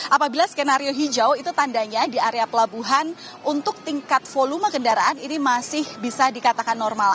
apabila skenario hijau itu tandanya di area pelabuhan untuk tingkat volume kendaraan ini masih bisa dikatakan normal